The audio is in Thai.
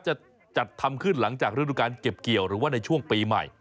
จะจัดทำขึ้นหลังจากฤดูการเก็บเกี่ยวหรือว่าในช่วงปีใหม่